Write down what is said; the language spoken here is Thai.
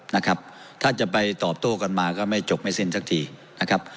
นะครับถ้าจะไปตอบโต้กันมาก็ไม่จบไม่สิ้นสักทีนะครับ